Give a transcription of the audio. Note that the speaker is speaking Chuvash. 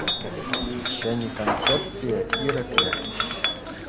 Вещани концепцийӗ – «ирӗклӗ».